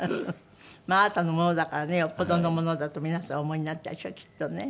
まああなたのものだからねよっぽどのものだと皆さんお思いになったでしょうきっとね。